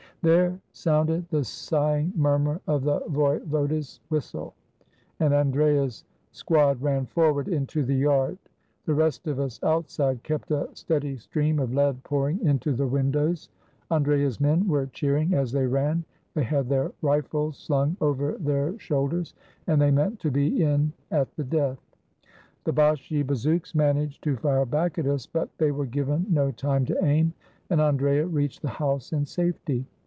There sounded the sighing murmur of the voivode's whistle, and Andrea's squad ran forward into the yard ; the rest of us, outside, kept a steady stream of lead pour ing into the windows. Andrea's men were cheering as they ran; they had their rifles slung over their shoul ders, and they meant to be in at the death. The Bashi bazouks managed to fire back at us, but they were given no time to aim, and Andrea reached the house in safety.